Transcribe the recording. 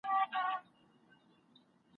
څنګه ټولنه د دوی درناوی کوي؟